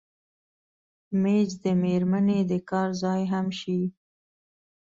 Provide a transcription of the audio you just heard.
مېز د مېرمنې د کار ځای هم شي.